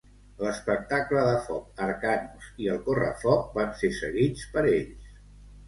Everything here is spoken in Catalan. L'espectacle de foc Arcanus i el correfoc van ser seguits per ells.